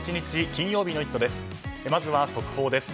金曜日の「イット！」です。